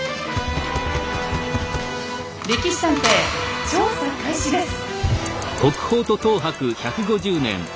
「歴史探偵」調査開始です。